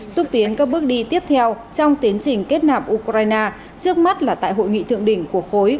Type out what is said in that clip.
xúc tiến các bước đi tiếp theo trong tiến trình kết nạp ukraine trước mắt là tại hội nghị thượng đỉnh của khối